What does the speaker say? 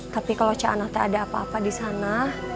tapi kalau cak anaknya ada apa apa disana